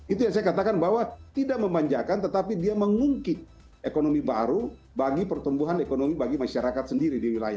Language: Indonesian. itu yang saya katakan bahwa tidak memanjakan tetapi dia mengungkit ekonomi baru bagi pertumbuhan ekonomi bagi masyarakat sendiri di wilayah